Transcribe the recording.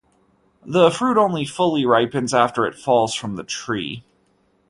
The fruit only fully ripens after it falls from the tree.